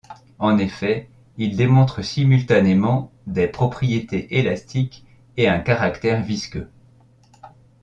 En effet, ils démontrent simultanément des propriétés élastiques et un caractère visqueux.